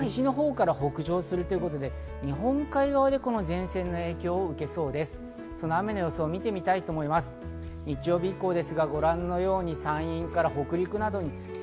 北上するということで、日本海側で前線の影響を受けそうです。